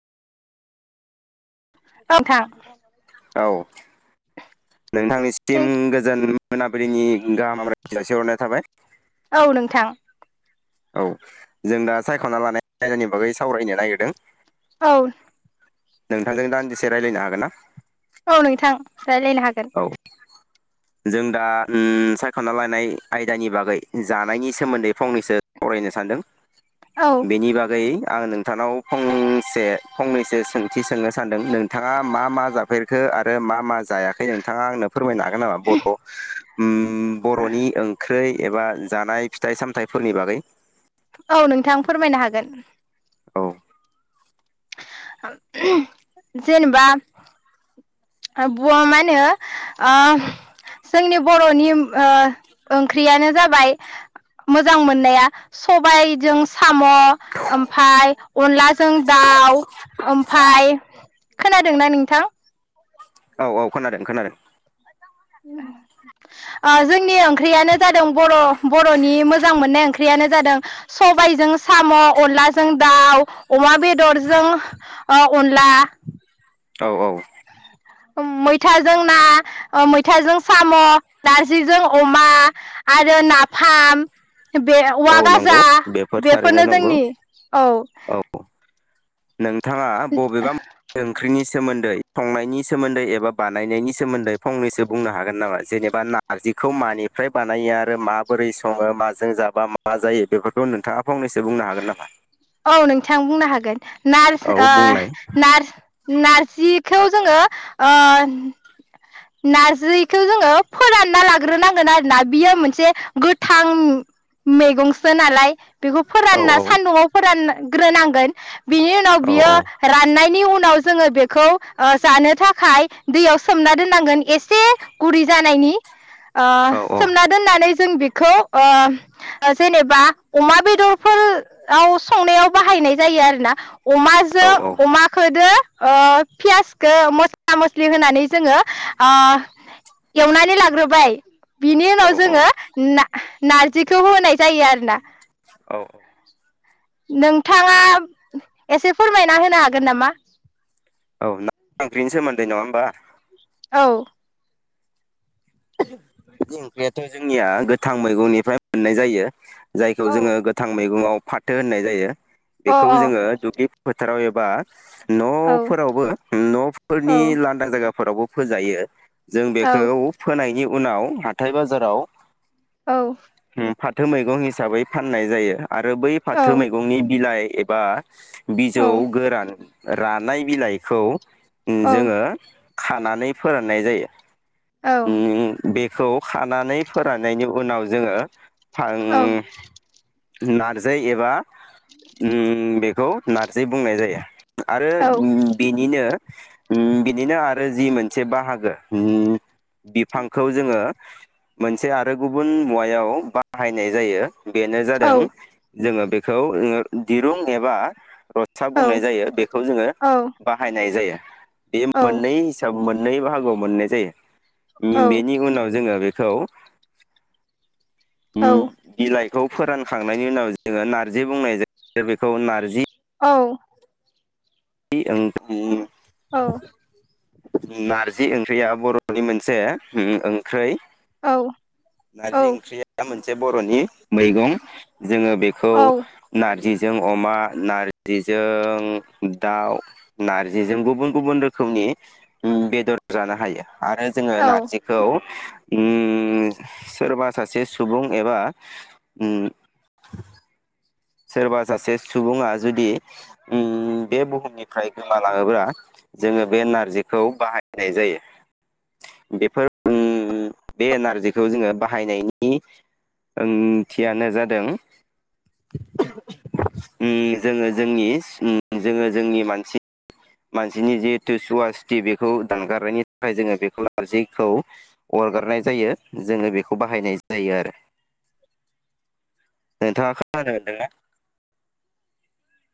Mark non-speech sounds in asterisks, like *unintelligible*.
नोंथां औ नोंथांनिसिम नों गोजोन मोनाबिलिनि गाहाम रायजो जासि हरनाय थाबाय औ नोंथां औ जों दा सायख'ना लानाय आयदानि बागै सावरायनो नागिरदों औ नोंथांजों दान्दिसे रायज्लायनो हागोन ना? औ नोंथां राइलायनो हागोन औ जों दा उम सायख'ना लायानाय आयदानि बागै जानायनि सोमोन्दै फंनैसो सावरायनो सानदों औ बेनि बागै आं नोंथांनाव फंसे फंनैसो सोंथि सोंनो सानदों बिथाङा मा मा जाफेरखो आरो आरो मा मा जायाखै नोंथाङा आंनो फोरमायनोहागोन ना बर' उम बर'नि ओंख्रै एबा जानाय फिथाइ सामथायाइफोरनि बागै औ नोंथां फोरमायनो हागोन औ जेनेबा मा होनो जोंनि बर'नि ओंख्रियानो जाबाय मोजां मोननाया सबायजों साम' ओमफफ्राय अनलाजों दाउ ओमफाय खोनादोंना नोंथां औ औ खोनादों खोनादों। जोंनि ओंख्रियानो जादों बर' बर'नि मोजां मोननाय ओंख्रियानो जादों सबायजों साम' अनलाजों दाउ अमा बेदर बेदरजों अनला औ औ। मैथाजों ना मैथाजों साम' नारजिजों अमा आरो नाफाम बे औ औवा नंगौ गाजा बेफोर थारैनो बेफोरनो नंगौ जोंनि औ। औ नोंथाङा बबेबा ओंख्रिनि सोमोन्दै संनायनि सोमोन्दै एबा बानायनायनि सोमोन्दै फंनैसो बुंनो हागोन नामा जेनेबा नारजिखौ मानिफ्राय बानायो आरो माबोरै सङो माजों जाबा म मा जायो बेफोरखौ नोंथाङा फंनैसो बुंनो हागोन नामा। औ नोंथां बुंनो हागोन। नार्स औ बुंलाय नार नारसि खौ जोङो नारजिखौ जोङो फोरानना लाग्रोनांगोन आरो ना बियो मोनसे गोथां मैगंसो नालाय बेखौ औ फोरान ना सान्दुंआव ग्रोनांगोन बिनि उनाव औ बियो राननायनि उनाव उनाव जोङो बेखौ जानो थाखाय दैयाव सोमना दोननांगोन एसे गुरै जानायनि औ सोमना दोननानै जों बेखौ जेनेबा अमा बेदरफोर औव संनायाव बाहायनाय जायो आरो ना औ अमाजों अमा खोदो ओ फियासखो मस्ला मस्लि होनानै जोङो ओ एवनानै लाग्रोबाय बिनि औ उनाव औ जोङो ना नारजिखौ होनाय जायो आरो ना औ। नोंथाङा एसे फोरमायना होनो हागोन नामा औ ना ओंख्रिनि सोमोन्दै नङा बा औ। ओंख्रियाथ जोंनिया गोथां मैगंनिफ्राय मोननाय जायो। जायखौ अ जोङो गोथां मैगंआव फाथो होननाय जायो अ बेखौ जोङो दुगे फोथाराव एबा औ नफोरावबो औ नफोरनि लांनदां जायगा फोरावबो फोजायो। जों औ बेखौ नायनि उनाव हाथाय बाजाराव औ। उम फाथो मैगं हिसाबै फाननाय जायो। आरो बै औ फाथो मैगंनि बिलाइ एबा बिजौ गोरान रानाय बिलाइखौ औ जोङो खानानै फोराननाय जायो। औ। उम बेखौ खानानै फोराननायनि उनाव जोङो फां औ नारजै एबा उम बेखौ नार्जि बुंनाय जायो। आरो बेनिनो उम बिदिनो आरो जि मोनसे बाहागो उम बिफांखौ जोङो मोनसे आरो गुबुन मुवायाव बाहायनाय जायो। बेनो औ जादों जोङो बेख खौ दिरुं एबा रसा औ बुंनाय जायो बेखौ जोङो बाहायनाय जायो। बियो मोननै हिसाब मोन नै बाहागोआव मोननाय जायो। बेनि उनाव जोङो बे खौ। औ। खौ फोरानखांनायनि उनाव जोङो नारजि बुंनाय जायो बेखौ नारजि औ। *unintelligible* औ। नारजि ओंख्रिया बर'नि मोनसे ओम ओंख्रै। औ। नारजि ओंख्रिया मोन से बर'नि मैगं। जोङो बेखौ औ नार जिजों अमा नारजिजों दाउ नारजिजों गुबुन गुबुन रोखोमनि बेदर जानो हायो। आरो जोङो औ नारजिखौ उम। सोरबा सासे सुबुं एबा सोरबा सासे सुबुङा जुदि बे बुहुमनिफ्राय गोमालाङोब्ला जोङो बे नारजिखौ बाहायनाय जायो बेफोर बे नारजिखौ जोङो बाहायनायनि ओंथियानो जादों। जोङो जोंनि जोङो जोंनि मानसि। मानसिनि जिहेथु सुवासिटि बेखौ दानगारनायनि थाखाय जोङो बेखौ नारजिखौ अरगारनाय जायो जोङो बेखौ बाहायनाय जायो आरो नोंथाङा खोनानो मोनदों ना?